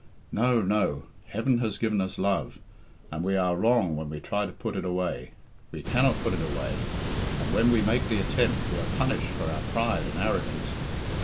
No, no; Heaven has given us love, and we are wrong when we try to put it away. We cannot put it away, and when we make the attempt we are punished for our pride and arrogance.